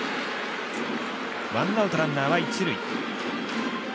ワンアウト、ランナーは一塁。